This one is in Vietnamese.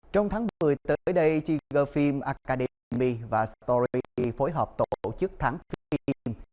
trong tháng một mươi tới đây chỉ vừa phim academy và story phối hợp tổ chức tháng phim